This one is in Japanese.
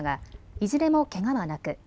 いずれもけがはなく